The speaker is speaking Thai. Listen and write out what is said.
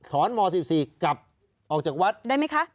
ม๑๔กลับออกจากวัดได้ไหมคะ